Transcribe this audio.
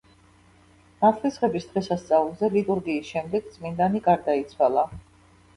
ნათლისღების დღესასწაულზე, ლიტურგიის შემდეგ, წმიდანი გარდაიცვალა.